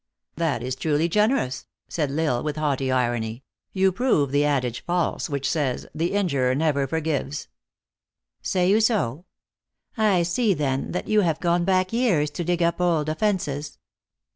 "That is truly generous," said L Isle, with haughty irony. "You prove the adage false which says, The injurer never forgives. r u Say you so ? I see then that you have gone back years to dig up old offences.